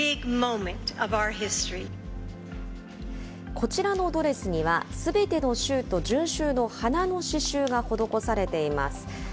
こちらのドレスには、すべての州と準州の花の刺しゅうが施されています。